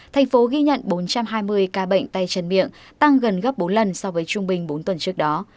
thành phố ghi nhận bốn trăm hai mươi ca bệnh tay chân miệng tăng gần gấp bốn lần so với trung bình bốn tuần trước đó